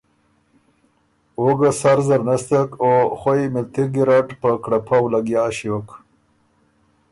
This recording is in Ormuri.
او ګۀ سر زر نستک او خوئ مِلتِغ ګیرډ په کړپؤ لګیا ݭیوک۔